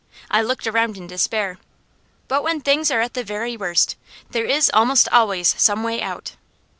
I looked around in despair, but when things are the very worst, there is almost always some way out.